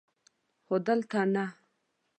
خو دلته نه!